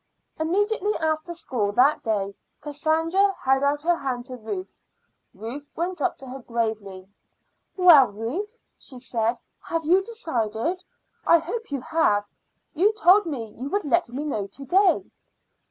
Immediately after school that day Cassandra held out her hand to Ruth. Ruth went up to her gravely. "Well, Ruth," she said, "have you decided? I hope you have. You told me you would let me know to day."